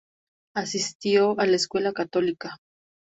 Asistió a la escuela católica St.